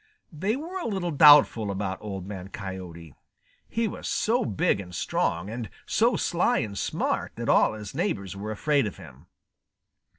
They were a little doubtful about Old Man Coyote. He was so big and strong and so sly and smart that all his neighbors were afraid of him.